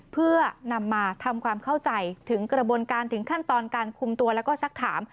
เพื่อนำมาทำความเข้าใจถึงกระบวนการถึงขั้นตอนการคุมตัวแล้วก็สักถาม